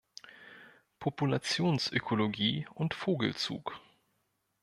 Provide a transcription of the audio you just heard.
Populationsökologie und Vogelzug.